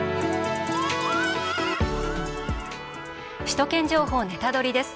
「首都圏情報ネタドリ！」です。